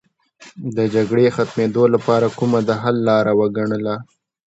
د جګړې ختمېدو لپاره کومه د حل لاره وګڼله.